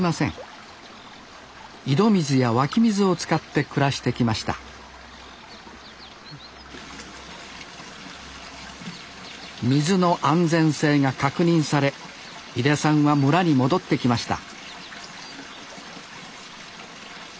井戸水や湧き水を使って暮らしてきました水の安全性が確認され井出さんは村に戻ってきました